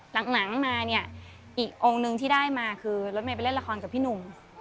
หลังมาเนี่ยอีกองค์นึงที่ได้มาคือรถเมย์ไปเล่นละครกับพี่หนุ่ม